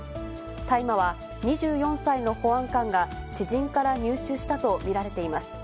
大麻は２４歳の保安官が知人から入手したと見られています。